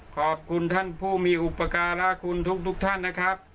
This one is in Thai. ขอบคุณท่านผู้มีอุปการะคุณทุกท่านนะครับ